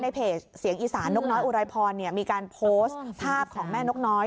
เพจเสียงอีสานนกน้อยอุไรพรมีการโพสต์ภาพของแม่นกน้อย